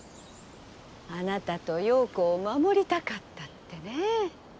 あなたと葉子を守りたかったってねぇ。